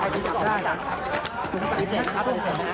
ขอโทษครับ